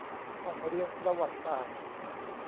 ห้องเรียนประวัติศาสตร์